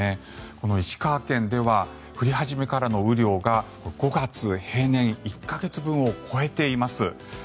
この石川県では降り始めからの雨量が５月平年１か月分を超えています。